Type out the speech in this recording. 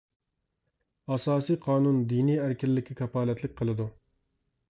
ئاساسى قانۇن دىنى ئەركىنلىككە كاپالەتلىك قىلىدۇ.